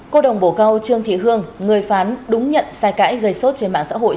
cô đồng bổ cao trương thị hương người phán đúng nhận sai cãi gây xốt trên mạng xã hội